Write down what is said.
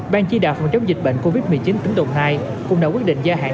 ban chỉ đạo phòng chống dịch bệnh covid một mươi chín tỉnh đồng nai cũng đã quyết định gia hạn